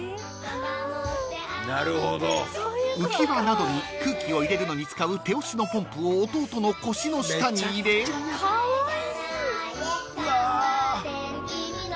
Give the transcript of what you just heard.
［浮輪などに空気を入れるのに使う手押しのポンプを弟の腰の下に入れ］カワイイ。